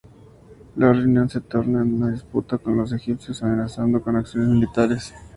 La reunión se torna en una disputa, con los egipcios amenazando con acciones militares.